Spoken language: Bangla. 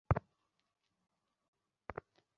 আমাদের কি এসব পার্টিতে যাওয়ার অনুমতি আছে?